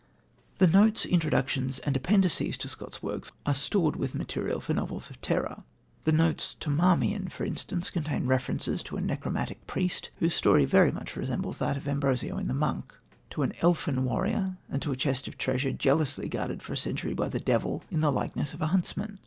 The notes, introductions and appendices to Scott's works are stored with material for novels of terror. The notes to Marmion, for instance, contain references to a necromantic priest whose story "much resembles that of Ambrosio in the Monk," to an "Elfin" warrior and to a chest of treasure jealously guarded for a century by the Devil in the likeness of a huntsman.